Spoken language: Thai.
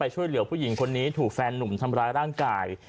ช่วยเหลือผู้หญิงคนนี้ถูกแฟนหนุ่มทำร้ายร่างกาย